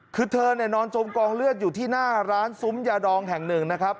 คือเธอเนี่ยนอนจมกองเลือดอยู่ที่หน้าร้านซุ้มยาดองแห่งหนึ่งนะครับ